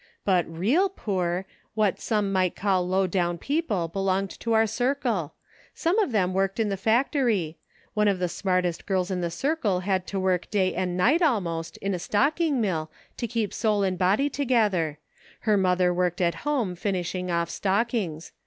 But real poor, what some might call 2l8 SEEKING STEPPING STONES. low down people, belonged to our circle ; some of them worked in the factory ; one of the smartest r girls in the circle had to work day and night al most, in a stocking mill, to keep soul and body to gether ; her mother worked at home, finishing off stockings.